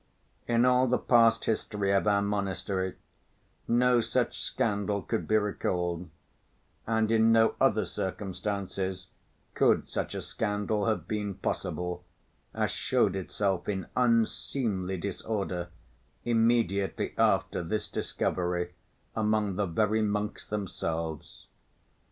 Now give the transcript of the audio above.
In all the past history of our monastery, no such scandal could be recalled, and in no other circumstances could such a scandal have been possible, as showed itself in unseemly disorder immediately after this discovery among the very monks themselves.